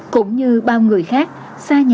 cũng như bao người khác xa nhà xa con là sẽ nhớ